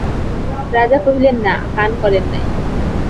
রাজা কহিলেন, না, পান করেন নাই।